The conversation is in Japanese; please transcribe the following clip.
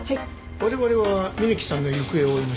我々は峯木さんの行方を追いましょう。